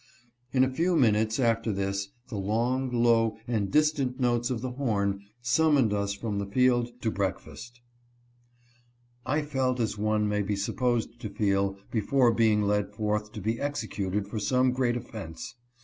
In a few minutes after this, the long, low, and distant notes of the horn summoned us from the field to break 206 THREE CONSTABLES APPEAR. fast. I felt as one may be supposed to feel before being led forth to be executed for some great offense.